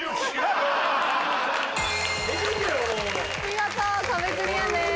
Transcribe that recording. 見事壁クリアです。